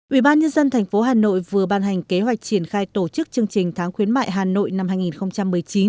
ủy ban nhân dân tp hà nội vừa ban hành kế hoạch triển khai tổ chức chương trình tháng khuyến mại hà nội năm hai nghìn một mươi chín